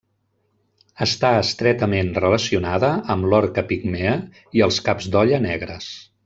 Està estretament relacionada amb l'orca pigmea i els caps d'olla negres.